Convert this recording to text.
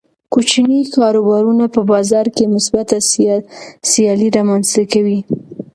کوچني کاروبارونه په بازار کې مثبته سیالي رامنځته کوي.